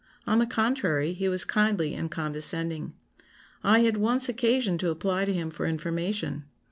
On the contrary, he was kindly and condescending. I had once occasion to apply to him for information.